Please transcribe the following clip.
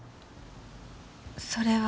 それは。